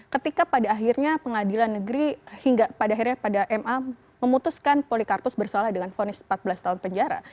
ketika pada akhirnya pengadilan negeri hingga pada akhirnya pada ma memutuskan polikarpus bersalah dengan fonis empat belas tahun penjara